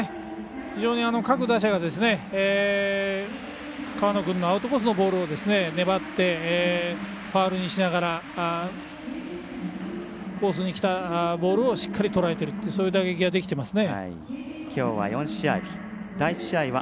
非常に各打者が河野君のアウトコースのボールを粘ってファウルにしながらコースにきたボールをしっかりとらえているそういう打撃ができていますね。